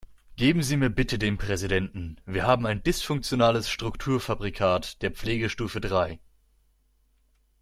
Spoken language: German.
Geben Sie mir bitte den Präsidenten, wir haben ein dysfunktionales Strukturfabrikat der Pflegestufe drei.